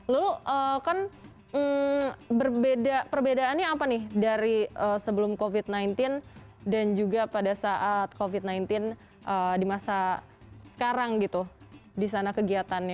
lulu kan perbedaannya apa nih dari sebelum covid sembilan belas dan juga pada saat covid sembilan belas di masa sekarang gitu di sana kegiatannya